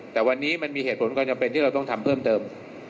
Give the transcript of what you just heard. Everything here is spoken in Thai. แต่วันนี้มันมีเหตุผลความจำเป็นที่เราต้องทำเพิ่มเติม